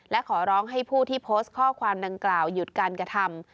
และขอร้องให้ผู้ที่โพสต์ข้อความดังกล่าวหยุดการกระทำ